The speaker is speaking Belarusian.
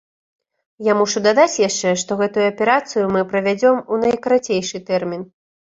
Я мушу дадаць яшчэ, што гэтую аперацыю мы правядзём у найкарацейшы тэрмін.